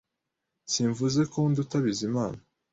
Simvuze ko nduta Bizimana